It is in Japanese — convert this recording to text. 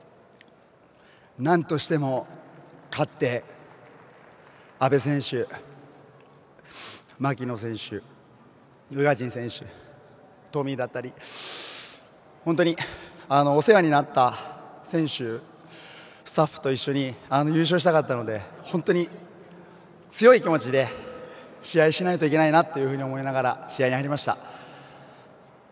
なんとしても勝って阿部選手、槙野選手宇賀神選手など本当にお世話になった選手、スタッフと一緒に優勝したかったので本当に強い気持ちで試合をしないといけないなと思い試合に入りました。